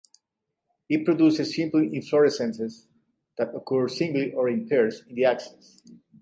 It produces simple inflorescences that occur singly or in pairs in the axils.